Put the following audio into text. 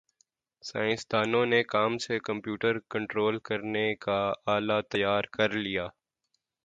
سائنسدانوں نے کام سے کمپیوٹر کنٹرول کرنے کا آلہ تیار کرلیا